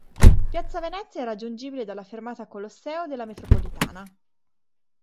Piazza Venezia è raggiungibile dalla fermata Colosseo della metropolitana.